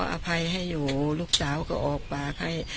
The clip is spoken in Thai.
แม่เป็นแม่ก็อภัยให้อยู่ลูกสาวก็ออกปากให้